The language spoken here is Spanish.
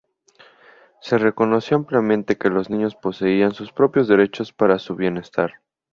Se reconoció ampliamente que los niños poseían sus propios derechos para su bienestar.